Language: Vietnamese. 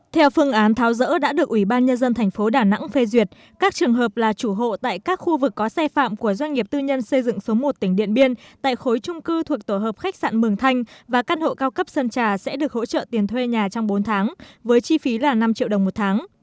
theo phương án tháo rỡ đã được ủy ban nhân dân thành phố đà nẵng phê duyệt các trường hợp là chủ hộ tại các khu vực có xe phạm của doanh nghiệp tư nhân xây dựng số một tỉnh điện biên tại khối trung cư thuộc tổ hợp khách sạn mường thanh và căn hộ cao cấp sơn trà sẽ được hỗ trợ tiền thuê nhà trong bốn tháng với chi phí là năm triệu đồng một tháng